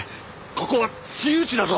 ここは私有地だぞ！